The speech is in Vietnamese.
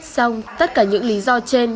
xong tất cả những lý do trên